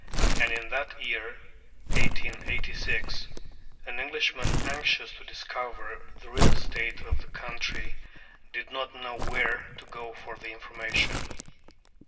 And in that year, 1886, an Englishman anxious to discover the real state of the country did not know where to go for information.